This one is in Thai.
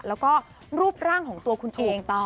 แล้วก็รูปร่างของตัวคุณเอง